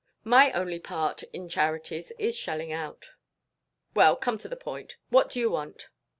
"My only part in charities is shelling out." "Well, come to the point. What do you want?"